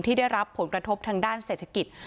ได้รับผลกระทบทางด้านเศรษฐกิจ